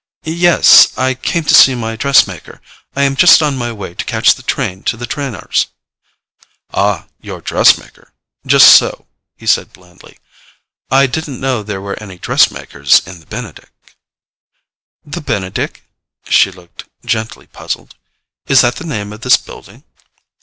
"Yes—I came up to see my dress maker. I am just on my way to catch the train to the Trenors'." "Ah—your dress maker; just so," he said blandly. "I didn't know there were any dress makers in the Benedick." "The Benedick?" She looked gently puzzled. "Is that the name of this building?"